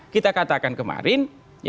kita katakan kemarin